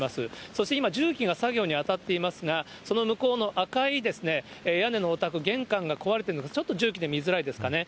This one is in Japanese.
そして今、重機が作業に当たっていますが、その向こうの赤い屋根のお宅、玄関が壊れているのが、ちょっと重機で見えづらいですかね。